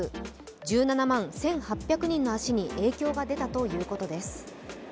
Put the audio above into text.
１７万１８００人の足に影響が出たということです。